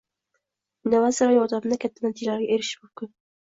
Innovatsiyalar yordamida katta natijalarga erishish mumkin.